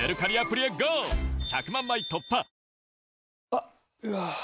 あっ、うわー。